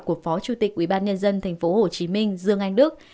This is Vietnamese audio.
của phó chủ tịch ubnd tp hcm dương anh đức